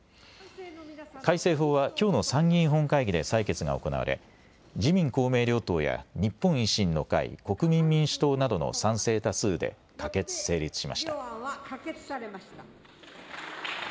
改正法はきょうの参議院本会議で採決が行われ、自民、公明両党や、日本維新の会、国民民主党などの賛成多数で可決・成立しました。